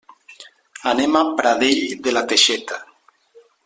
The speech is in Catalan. Anem a Pradell de la Teixeta.